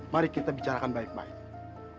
mari kita bicarakan baik baik